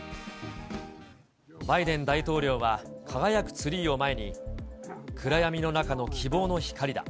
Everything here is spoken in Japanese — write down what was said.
バイデン大統領は輝くツリーを前に、暗闇の中の希望の光だ。